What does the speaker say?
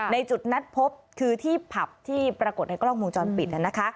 ในจุดนัดพบคือที่ผับที่ปรากฏในกล้องวงจรปิด